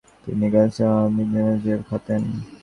তিনি গ্রেপ্তার হন ও তিনমাস জেল খাটেন।